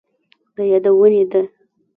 د يادونې ده،